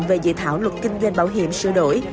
về dự thảo luật kinh doanh bảo hiểm sửa đổi